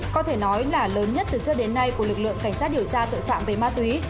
có thể nói là lớn nhất từ trước đến nay của lực lượng cảnh sát điều tra tội phạm về ma túy